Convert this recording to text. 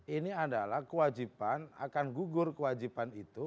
ini adalah kewajiban akan gugur kewajiban itu